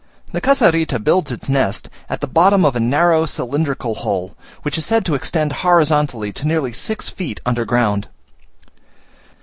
The Casarita builds its nest at the bottom of a narrow cylindrical hole, which is said to extend horizontally to nearly six feet under ground.